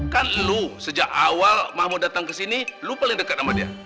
kan lo sejak awal mahmud datang kesini lo paling dekat sama dia